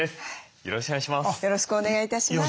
よろしくお願いします。